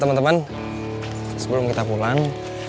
teman teman sebelum kita pulang